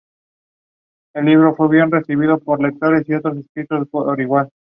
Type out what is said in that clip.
El plantado en otoño es frecuentemente exitoso en Florida.